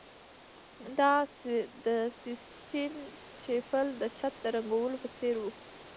دا د سیسټین چیپل د چت د رنګولو په څیر و